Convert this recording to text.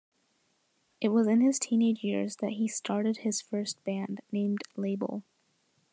It was in his teenage years that he started his first band, named Label.